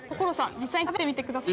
実際に食べてみてください。